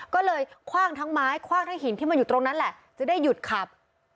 ก็เลยคว่างทั้งไม้คว่างทั้งหินที่มันอยู่ตรงนั้นแหละจะได้หยุดขับ